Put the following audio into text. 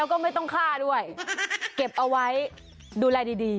แล้วก็ไม่ต้องฆ่าด้วยเก็บเอาไว้ดูแลดี